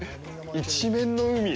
一面の海！